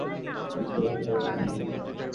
বেঘোরে মরো না, ওকে?